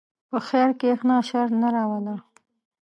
په خیر کښېنه، شر نه راوله.